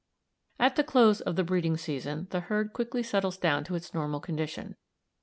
At the close of the breeding season the herd quickly settles down to its normal condition.